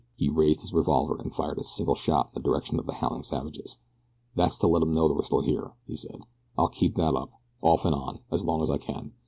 He raised his revolver and fired a single shot in the direction of the howling savages. "That's to let 'em know we're still here," he said. "I'll keep that up, off and on, as long as I can.